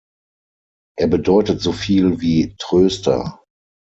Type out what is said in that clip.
Er bedeutet so viel wie „Tröster“.